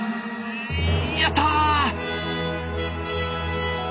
やった！